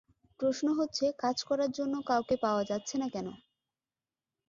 প্রশ্ন হচ্ছে, কাজ করার জন্য কাউকে পাওয়া যাচ্ছে না কেন?